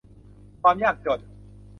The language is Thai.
ความยากจน